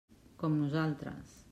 Com nosaltres.